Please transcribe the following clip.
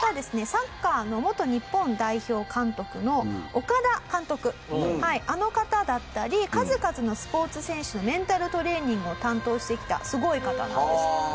サッカーの元日本代表監督の岡田監督あの方だったり数々のスポーツ選手のメンタルトレーニングを担当してきたすごい方なんです。